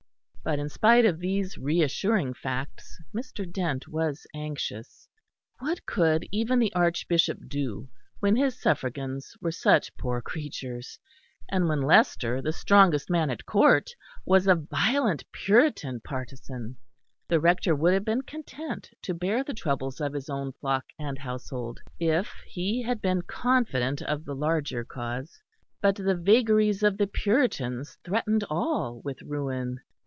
But in spite of these reassuring facts Mr. Dent was anxious. What could even the Archbishop do when his suffragans were such poor creatures; and when Leicester, the strongest man at Court, was a violent Puritan partisan? The Rector would have been content to bear the troubles of his own flock and household if he had been confident of the larger cause; but the vagaries of the Puritans threatened all with ruin.